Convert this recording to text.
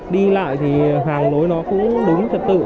đi lại thì hàng lối nó cũng đúng thật tự